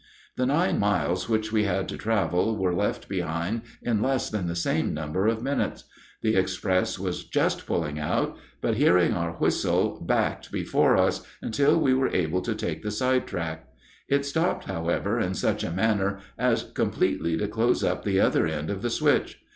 The nine miles which we had to travel were left behind in less than the same number of minutes. The express was just pulling out, but, hearing our whistle, backed before us until we were able to take the side track. It stopped, however, in such a manner as completely to close up the other end of the switch.